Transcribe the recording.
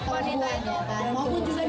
wanita itu gak lemah wanita itu setara